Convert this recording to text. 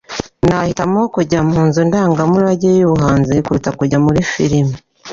Nahitamo kujya mu nzu ndangamurage yubuhanzi kuruta kujya muri firime.